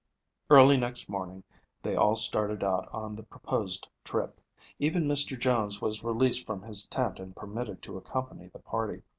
Early next morning they all started out on the proposed trip. Even Mr. Jones was released from his tent and permitted to accompany the party.